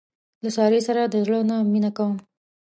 له سارې سره د زړه نه مینه کوم.